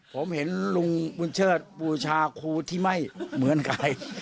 ผมเห็นลุงบุญเชิดบูชาครูที่ไม่เหมือนใคร